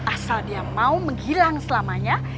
asal dia mau menghilang selamanya